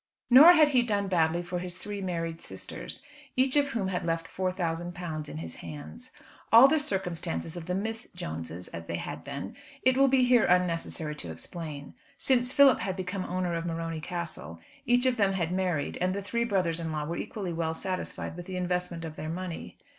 Nor had he done badly for his three married sisters, each of whom had left £4,000 in his hands. All the circumstances of the Miss Jones's as they had been, it will be here unnecessary to explain. Since Philip had become owner of Morony Castle, each of them had married, and the three brothers in law were equally well satisfied with the investment of their money.